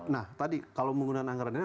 nah tadi kalau menggunakan anggaran ini